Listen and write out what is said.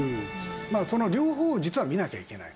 その両方を実は見なきゃいけない。